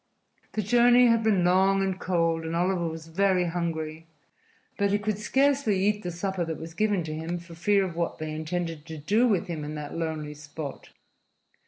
The journey had been cold and long and Oliver was very hungry, but he could scarcely eat the supper that was given him for fear of what they intended to do with him in that lonely spot.